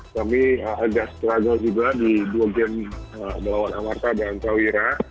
kami agak struggle juga di dua game melawan amarta dan prawira